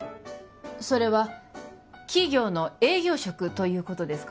それは企業の営業職ということですか？